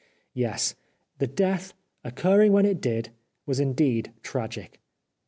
Yes ; the death, occurring when it did, was in deed tragic.